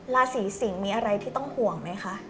ราศีสิงศ์มีอะไรที่ต้องห่วงไหมคะ